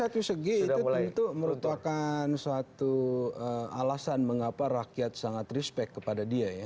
satu segi itu tentu merupakan suatu alasan mengapa rakyat sangat respect kepada dia ya